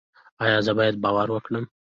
ایا زه باید باور وکړم؟